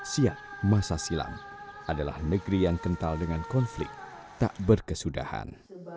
siap masa silam adalah negeri yang kental dengan konflik tak berkesudahan